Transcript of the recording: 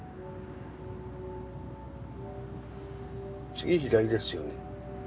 次左ですよね？